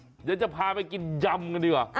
เดี๋ยวจะพาไปกินยำกันดีกว่า